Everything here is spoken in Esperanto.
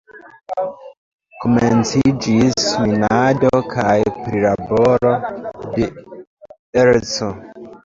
Komenciĝis minado kaj prilaboro de erco.